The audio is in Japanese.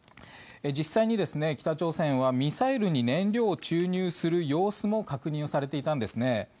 実際に北朝鮮はミサイルに燃料を注入する様子も確認はされていたんですね。